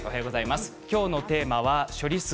今日のテーマは処理水。